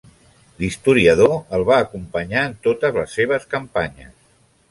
L'historiador el va acompanyar en totes les seves campanyes.